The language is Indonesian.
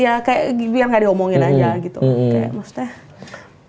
ya kayak biar gak diomongin aja gitu kayak maksudnya